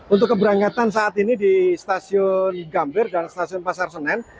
untuk keberangkatan saat ini di stasiun gambir dan stasiun pasar senen